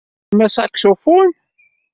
Tekkatem asaksufun?